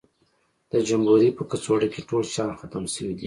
د جمبوري په کڅوړه کې ټول شیان ختم شوي دي.